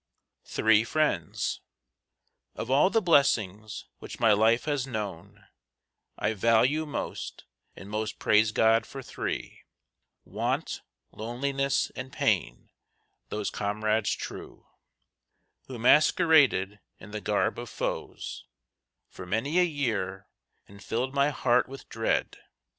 THREE FRIENDS Of all the blessings which my life has known, I value most, and most praise God for three: Want, Loneliness, and Pain, those comrades true, Who masqueraded in the garb of foes For many a year, and filled my heart with dread.